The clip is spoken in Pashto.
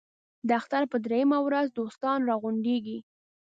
د اختر په درېیمه ورځ دوستان را غونډېږي.